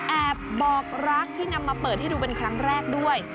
บอกรักที่นำมาเปิดให้ดูเป็นครั้งแรกด้วย